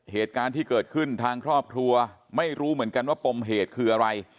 เหตุการณ์ที่เกิดขึ้นทางครอบครัวไม่รู้เหมือนกันว่าปมเหตุคืออะไร